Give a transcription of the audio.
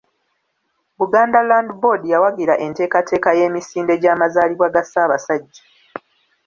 Buganda Land Board yawagira enteekateeka y’emisinde gy’amazaalibwa ga Ssaabasajja.